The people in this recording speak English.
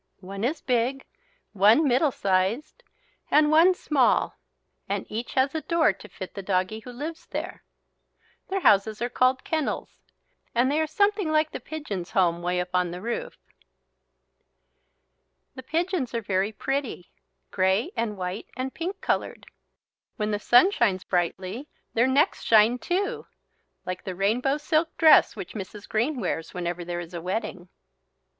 One is big, one middle sized, and one small, and each has a door to fit the doggie who lives there. Their houses are called kennels, and they are something like the pigeon's home way up on the roof. The pigeons are very pretty, grey and white and pink coloured. When the sun shines brightly their necks shine too, like the rainbow silk dress which Mrs. Green wears whenever there is a wedding.